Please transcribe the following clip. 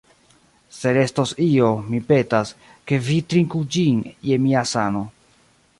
Se restos io, mi petas, ke vi trinku ĝin je mia sano.